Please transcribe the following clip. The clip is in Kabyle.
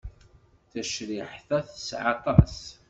Tacriḥt-a teɛṣa aṭas.